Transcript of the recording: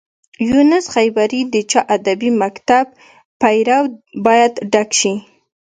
یونس خیبري د چا ادبي مکتب پيرو و باید ډک شي.